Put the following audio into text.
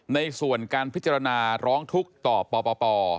ในส่วนการพิจารณาร้องทุกข์ต่อปป